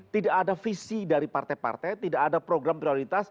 tidak ada visi dari partai partai